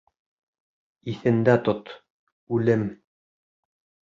Иҫендә тот: үлем!